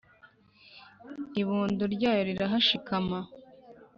Ibondo ryayo rirahashikama